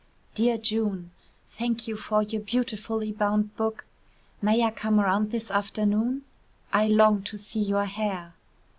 "Dear June: Thank you for your beautifully bound book. May I come round this afternoon? I long to see your hair."